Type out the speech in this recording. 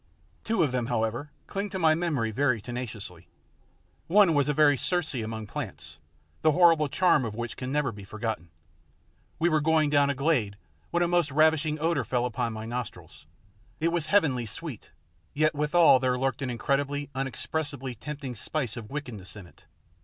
Two of them, however, cling to my memory very tenaciously. One was a very Circe amongst plants, the horrible charm of which can never be forgotten. We were going down a glade when a most ravishing odour fell upon my nostrils. It was heavenly sweet yet withal there lurked an incredibly, unexpressibly tempting spice of wickedness in it.